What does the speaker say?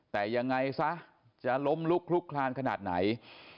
แต่ยังไงซะจะล้มลุกลุกคลานขนาดไหน